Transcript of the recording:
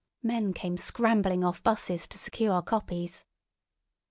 Men came scrambling off buses to secure copies.